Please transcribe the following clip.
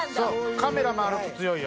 カメラ回ると強いよ。